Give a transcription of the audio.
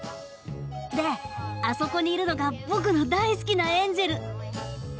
であそこにいるのが僕の大好きなエンジェル！